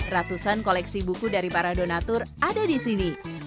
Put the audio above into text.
ratusan koleksi buku dari para donatur ada di sini